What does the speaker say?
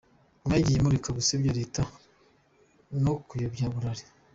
Mwagiye mureka gusebya Leta no kuyobya uburari.